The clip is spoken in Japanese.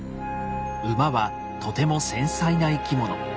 馬はとても繊細な生き物。